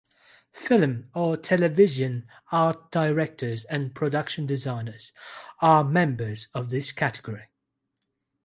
Film or television Art Directors and Production Designers are members of this category.